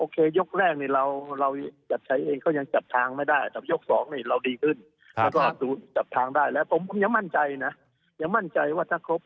กรณีของอย่างชัดชัยอะไรรักเลยนะครับ